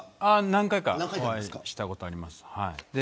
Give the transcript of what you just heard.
何回かお会いしたことあります。